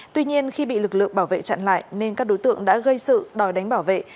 tuy nhiên khi bị lực lượng bảo vệ chặn lại nên các đối tượng đã gây sự đòi đánh bảo vệ